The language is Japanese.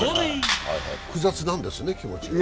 複雑なんですね、気持ち。